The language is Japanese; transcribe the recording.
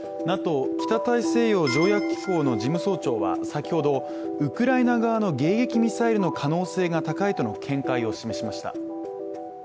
ＮＡＴＯ＝北大西洋条約機構の事務総長は先ほど、ウクライナ側の迎撃ミサイルの可能性が高いとの見解を示しました。